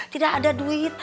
tidak ada duit